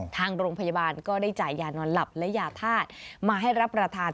ทางโรงพยาบาลก็ได้จ่ายยานอนหลับและยาธาตุมาให้รับประทาน